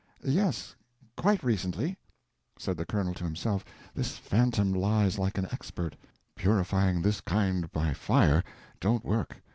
"Yes, quite recently." Said the Colonel to himself, "This phantom lies like an expert. Purifying this kind by fire don't work.